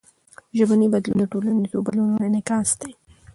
ژبنی بدلون د ټولنیزو بدلونونو انعکاس دئ.